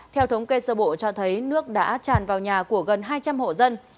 theo thống kê sơ bộ cho thấy nước đã tràn vào nhà của gần hai trăm linh hộ dân